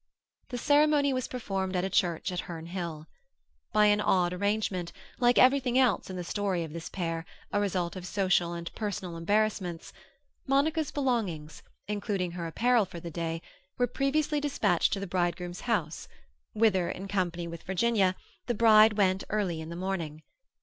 The ceremony was performed at a church at Herne Hill. By an odd arrangement—like everything else in the story of this pair, a result of social and personal embarrassments—Monica's belongings, including her apparel for the day, were previously dispatched to the bridegroom's house, whither, in company with Virginia, the bride went early in the morning.